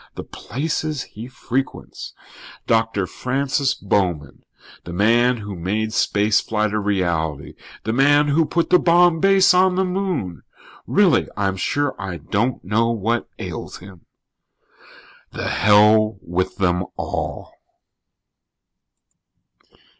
The places he frequents. Doctor Francis Bowman, the man who made space flight a reality. The man who put the Bomb Base on the Moon! Really, I'm sure I don't know what ails him." The hell with them all.